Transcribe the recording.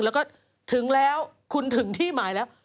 แล้วก็ถึงแล้วคุณถึงที่หมายแล้ว